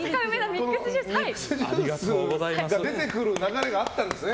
ミックスジュースが出てくる流れがあったんですね。